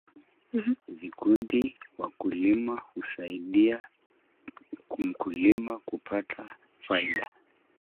vikundi vya wakulima husaidia mkulima kupata faida